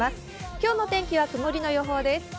今日の天気は曇りの予報です。